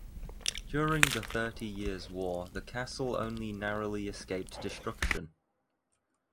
During the Thirty Years' War the castle only narrowly escaped destruction.